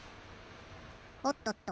おっとっと。